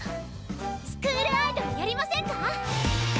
スクールアイドルやりませんか？